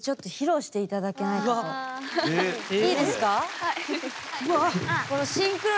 はい。